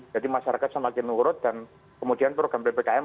jadi masyarakat semakin nurut dan kemudian program ppkm